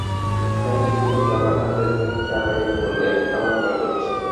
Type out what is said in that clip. সে অসংকোচে আমার হাত ধরে কাপা গলায় বলল, আমার ভয় করছে।